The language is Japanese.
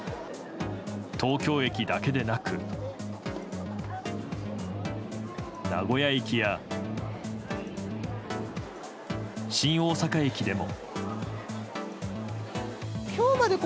東京駅だけでなく名古屋駅や新大阪駅でも。